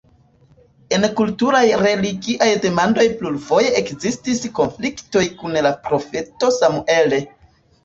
En kultaj-religiaj demandoj plurfoje ekzistis konfliktoj kun la profeto Samuel.